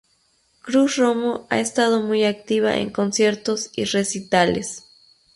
Cruz-Romo ha estado muy activa en conciertos y recitales.